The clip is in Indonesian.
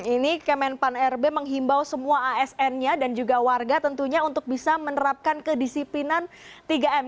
ini kemenpan rb menghimbau semua asn nya dan juga warga tentunya untuk bisa menerapkan kedisiplinan tiga m